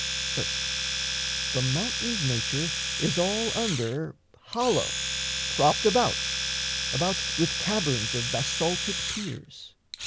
First, the mountain's nature is All under hollow, propped about, about With caverns of basaltic piers.